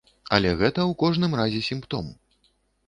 Але гэта, у кожным разе, сімптом.